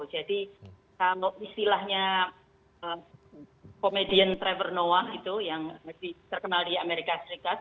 jadi kalau istilahnya komedian trevor noah itu yang masih terkenal di amerika serikat